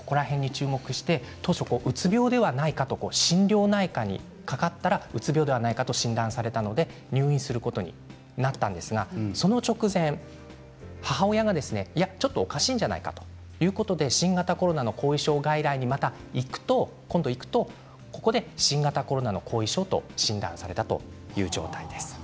当初うつ病ではないかと心療内科にかかったらうつ病ではないかと診断されたので入院することになったんですがその直前、母親がいや、ちょっとおかしいんじゃないかということで新型コロナの後遺症外来にまた行くとここで新型コロナの後遺症と診断されたという状態です。